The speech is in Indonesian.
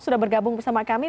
sudah bergabung bersama kami